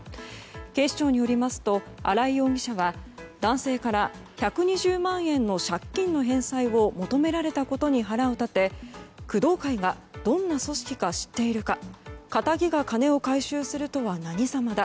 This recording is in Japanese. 警視庁によりますと荒井容疑者は男性から１２０万円の借金の返済を求められたことに腹を立て工藤会がどんな組織か知っているかかたぎが金を回収するとは何様だ